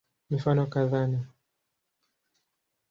Mifano kadhaa ni